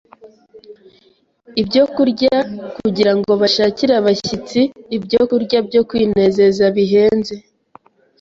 ibyokurya kugira ngo bashakire abashyitsi ibyokurya byo kwinezeza bihenze.